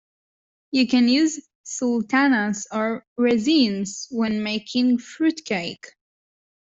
You can use sultanas or raisins when making fruitcake